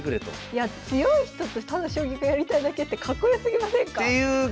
いや強い人とただ将棋がやりたいだけってかっこよすぎませんか？っていうことで。